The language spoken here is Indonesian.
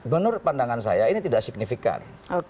menurut pandangan saya ini tidak signifikan